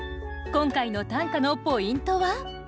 今回の短歌のポイントは？